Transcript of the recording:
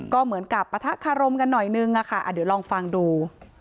ก็เหมือนกับปะทะคารมกันหน่อยนึงอะค่ะเดี๋ยวลองฟังดู